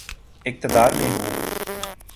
اقتدار میں ہوں۔